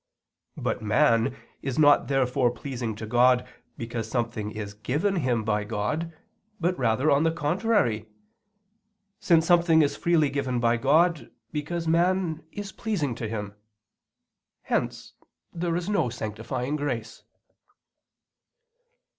But man is not therefore pleasing to God because something is given him by God, but rather on the contrary; since something is freely given by God, because man is pleasing to Him. Hence there is no sanctifying grace.